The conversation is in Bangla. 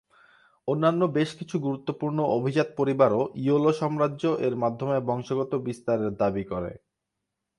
অন্যান্য বেশ কিছু গুরুত্বপূর্ণ অভিজাত পরিবারও "ইয়েলো সাম্রাজ্য" এর মাধ্যমে বংশগত বিস্তারের দাবি করে।